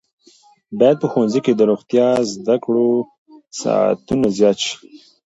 باید په ښوونځیو کې د روغتیايي زده کړو ساعتونه زیات شي.